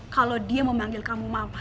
kalau dia memanggil kamu maaf